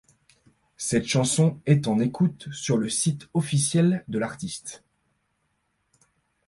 Cette chanson est en écoute sur le site officiel de l'artiste.